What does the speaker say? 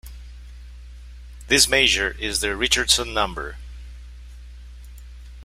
This measure is the Richardson number.